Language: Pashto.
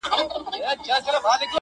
داده ميني ښار وچاته څه وركوي~